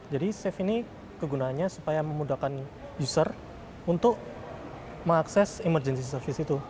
jadi save ini kegunaannya supaya memudahkan user untuk mengakses emergency service itu